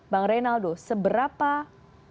bang reynaldo seberapa besar dampak pasal ini